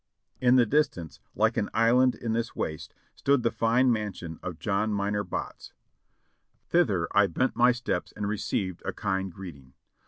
In the distance, like an island in this waste, stood the fine mansion of John Minor Botts ; thither I bent my steps and received a kind greeting.